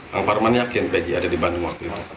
kang parman yakin pegi ada di bandung waktu itu